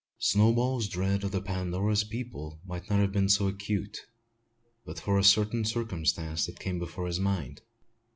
Snowball's dread of the Pandora's people might not have been so acute, but for a certain circumstance that came before his mind.